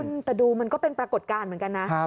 แต่ดูมันก็เป็นปรากฏการณ์เหมือนกันนะ